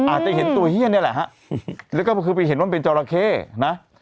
อาจจะเห็นตัวเฮียนี่แหละฮะแล้วก็คือไปเห็นว่ามันเป็นจราเข้นะ